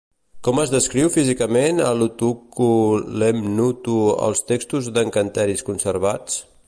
Com es descriu físicament a l'Utukku Lemnūtu als textos d'encanteris conservats?